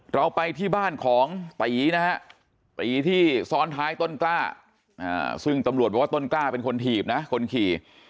เราไปที่บ้านของตีนะฮะตีที่ซ้อนท้ายต้นกล้าซึ่งตำรวจบอกว่าต้นกล้าเป็นคนถีบนะคนขี่